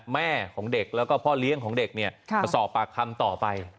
แม่ของเด็กแล้วก็พ่อเลี้ยงของเด็กมาสอบปากคำต่อไป